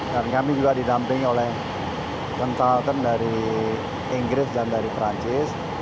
dan kami juga didamping oleh mental mental dari inggris dan dari perancis